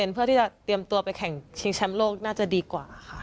เพื่อที่จะเตรียมตัวไปแข่งชิงแชมป์โลกน่าจะดีกว่าค่ะ